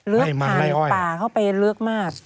ผ่านป่าเข้าไปลึกมาก